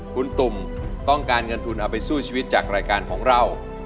คุณตุ่มต้องการเงินทุนเอาไปสู้ชีวิตจากรายการของเรา